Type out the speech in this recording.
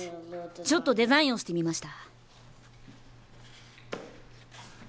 ちょっとデザインをしてみました。